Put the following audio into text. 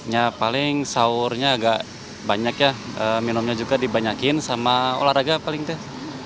ya paling sahurnya agak banyak ya minumnya juga dibanyakin sama olahraga paling teh